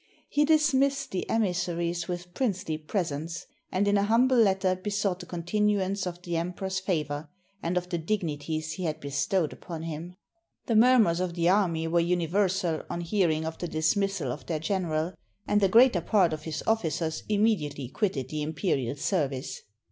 He dismissed the emissaries with princely presents; and in a humble letter besought the continuance of the Emperor's favor, and of the dignities he had bestowed upon him. The murmurs of the army were universal, on hearing 298 WALLENSTEIN, THE DEPOSED GENERAL of the dismissal of their general; and the greater part of his officers immediately quitted the imperial service.